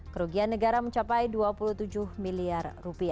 kerugian negara mencapai rp dua puluh tujuh miliar